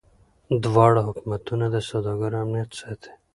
دواړه حکومتونه د سوداګرو امنیت ساتي.